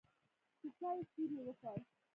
د چايو سور يې وکړ.